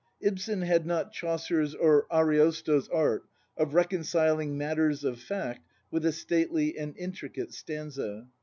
Ibsen had not Chaucer's or Ari osto's art of reconciling matters of fact with a stately and intricate stanza.